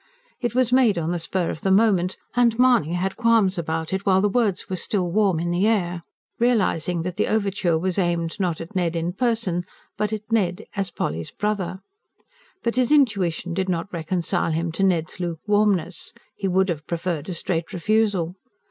It was made on the spur of the moment, and Mahony had qualms about it while his words were still warm on the air, realizing that the overture was aimed, not at Ned in person, but at Ned as Polly's brother. But his intuition did not reconcile him to Ned's luke warmness; he would have preferred a straight refusal.